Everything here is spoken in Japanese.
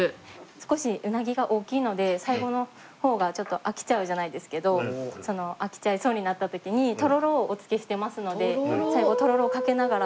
少しうなぎが大きいので最後の方がちょっと飽きちゃうじゃないですけど飽きちゃいそうになった時にとろろをお付けしてますので最後とろろをかけながら召し上がって頂くと。